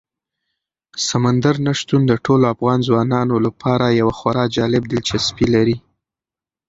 سمندر نه شتون د ټولو افغان ځوانانو لپاره یوه خورا جالب دلچسپي لري.